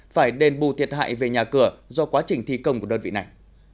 phải đền bù thiệt hại về nhà cửa do quá trình thi công của đơn vị này